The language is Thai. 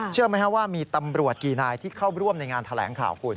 เชื่อไหมครับว่ามีตำรวจกี่นายที่เข้าร่วมในงานแถลงข่าวคุณ